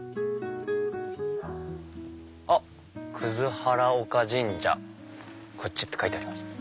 原岡神社こっち！って書いてありますね。